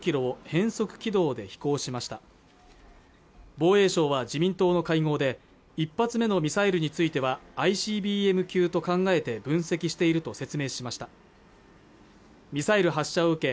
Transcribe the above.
変則軌道で飛行しました防衛省は自民党の会合で１発目のミサイルについてはＩＣＢＭ級と考えて分析していると説明しましたミサイル発射を受け